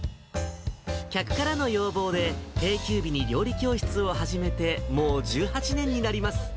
客からの要望で、定休日に料理教室を始めて、もう１８年になります。